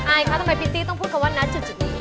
คะทำไมพิตตี้ต้องพูดคำว่าณจุดนี้